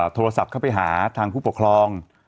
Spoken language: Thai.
โทรศัพท์เข้าไปหาทางผู้ปกครอง